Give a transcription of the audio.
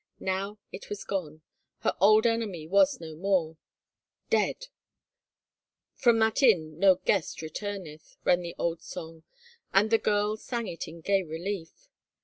Now it was gone. Her old enemy was no more. Dead !..." From that inn no guest retumeth," ran the old song and the girl sang it in gay relief.